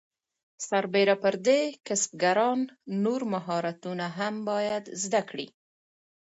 سربیره پر دې کسبګران نور مهارتونه هم باید زده کړي.